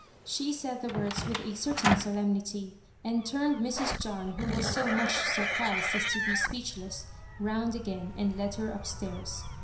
She said the words with a certain solemnity, and turned Mrs. John, who was so much surprised as to be speechless, round again, and led her up stairs.